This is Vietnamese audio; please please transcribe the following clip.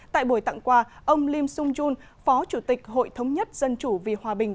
tại buổi tặng quà ông lim sung phó chủ tịch hội thống nhất dân chủ vì hòa bình